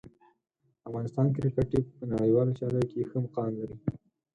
افغانستان کرکټ ټیم په نړیوالو سیالیو کې ښه مقام لري.